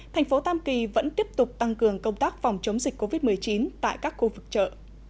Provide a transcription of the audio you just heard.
thành phố tam kỳ vẫn tiếp tục tăng cường công tác phòng chống dịch covid một mươi chín tại các khu vực chợ